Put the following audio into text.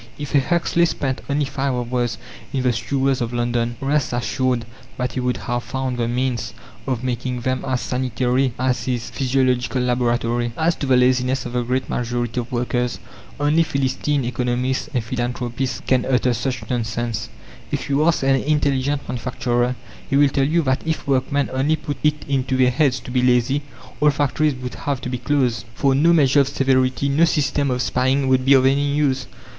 If a Huxley spent only five hours in the sewers of London, rest assured that he would have found the means of making them as sanitary as his physiological laboratory. As to the laziness of the great majority of workers, only philistine economists and philanthropists can utter such nonsense. If you ask an intelligent manufacturer, he will tell you that if workmen only put it into their heads to be lazy, all factories would have to be closed, for no measure of severity, no system of spying would be of any use.